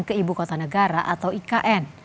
ke ibu kota negara atau ikn